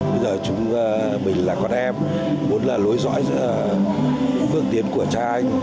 bây giờ chúng mình là con em muốn là lối dõi giữa phương tiến của cha anh